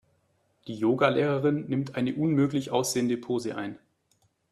Die Yoga-Lehrerin nimmt eine unmöglich aussehende Pose ein.